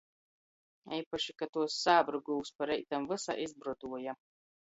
Eipaši, ka tuos sābru gūvs – pa reitam vysa izbroduoja!